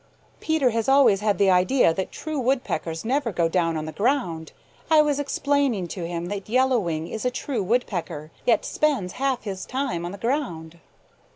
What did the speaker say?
"Peter has always had the idea that true Woodpeckers never go down on the ground. I was explaining to him that Yellow Wing is a true Woodpecker, yet spends half his time on the ground."